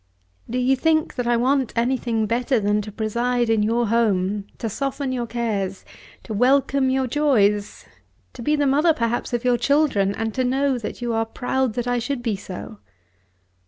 Do you think that I want anything better than to preside in your home, to soften your cares, to welcome your joys, to be the mother perhaps of your children, and to know that you are proud that I should be so?